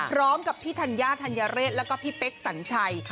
พร้อมกับพี่ธัญญาธัญเรศแล้วก็พี่เป๊กสัญชัย